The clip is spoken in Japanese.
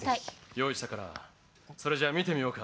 用意したからそれじゃあ見てみようか！